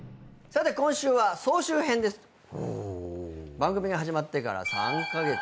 番組が始まってから３カ月。